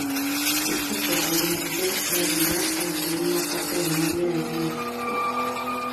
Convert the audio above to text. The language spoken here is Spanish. Esto probablemente da lugar a la segunda parte del nombre de Guildford.